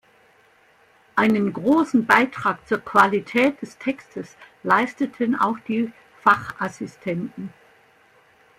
Einen großen Beitrag zur Qualität des Textes leisteten auch die Fachassistenten.